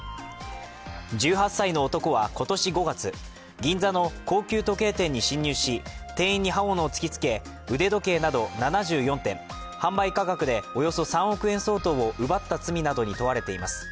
１８歳の男は今年５月、銀座の高級時計店に侵入し、転院に刃物を突きつけ腕時計など７４点、販売価格でおよそ３億円相当を奪った罪などに問われています。